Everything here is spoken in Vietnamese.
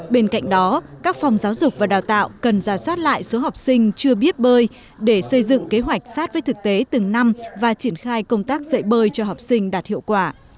bên cạnh đó các phòng giáo dục và đào tạo cần ra soát lại số học sinh chưa biết bơi để xây dựng kế hoạch sát với thực tế từng năm và triển khai công tác dạy bơi cho học sinh đạt hiệu quả